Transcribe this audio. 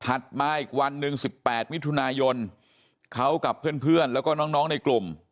ผลัดมาอีกวันหนึ่งสิบแปดมิถุนายนเขากับเพื่อนเพื่อนแล้วก็น้องน้องในกลุ่ม